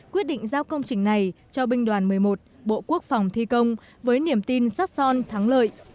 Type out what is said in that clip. quyết định giao công trình này cho binh đoàn một mươi một bộ quốc phòng thi công với niềm tin sát son thắng lợi